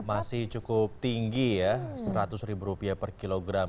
masih cukup tinggi ya seratus ribu rupiah per kilogram